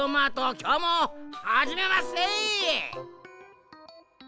きょうもはじめまっせ！